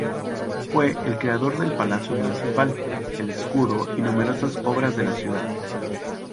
Fue el creador del Palacio Municipal, el escudo y numerosas obras de la ciudad.